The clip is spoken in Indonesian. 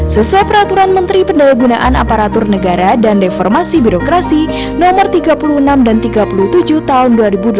sesuai peraturan menteri pendayagunaan aparatur negara dan reformasi birokrasi no tiga puluh enam dan tiga puluh tujuh tahun dua ribu dua puluh